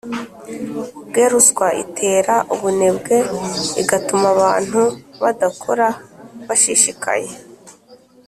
bwe. Ruswa itera ubunebwe, igatuma abantu badakora bashishikaye